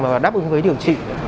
mà đáp ứng với điều trị